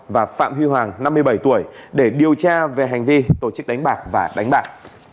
và phạm huy hoàng năm mươi bảy tuổi để điều tra về hành vi tổ chức đánh bạc và đánh bạc